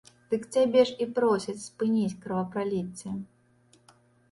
Дык цябе ж і просяць спыніць кровапраліцце!